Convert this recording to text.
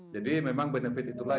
jadi memang benefit itulah